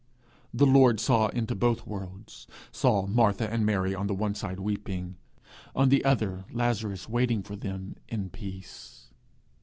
The Lord saw into both worlds saw Martha and Mary on the one side weeping, on the other Lazarus waiting for them in peace.